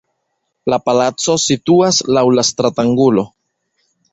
La palaco situas laŭ stratangulo.